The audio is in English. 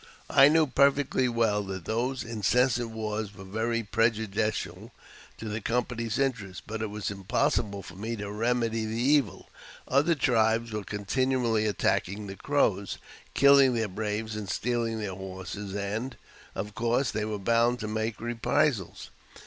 I knew perfectly well that these incessant wars were very prejudicial to the company's interest, but it was impossible for^^ me to remedy the evil. Other tribes were continually attackinMB the Crows, killing their braves, and stealing their horses, and, ^ of course, they were bound to make reprisals.